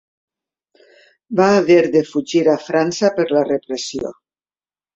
Va haver de fugir a França per la repressió.